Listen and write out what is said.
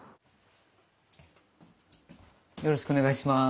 よろしくお願いします。